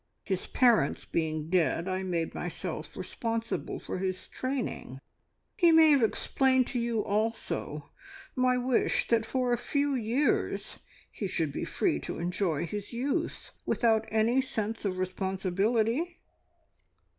His parents being dead, I made myself responsible for his training. He may have explained to you also my wish that for a few years he should be free to enjoy his youth without any sense of responsibility?"